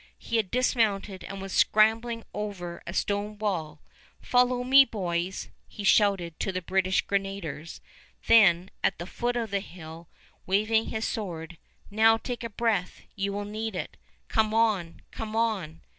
He had dismounted and was scrambling over a stone wall. "Follow me, boys!" he shouted to the British grenadiers; then at the foot of the hill, waving his sword: "Now take a breath; you will need it! Come on! come on!"